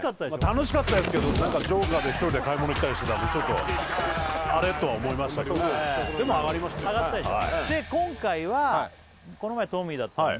楽しかったですけどＪＯＫＥＲで１人で買い物行ったりしてたんでちょっと「あれ？」とは思いましたけどでも上がりましたよ上がったでしょ？